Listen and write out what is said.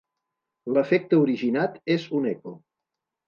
L'efecte originat és un eco.